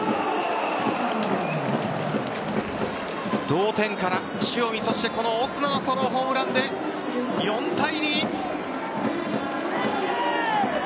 同点から塩見、そしてこのオスナのソロホームランで４対２。